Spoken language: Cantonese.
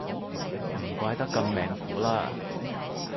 唔怪得咁命苦啦